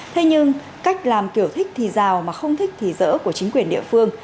thế nhưng cách làm kiểu thích thì rào mà không thích thì dỡ của chính quyền địa phương